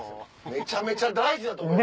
めちゃめちゃ大事なとこや。